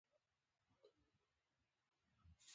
خو سانسور هم شته.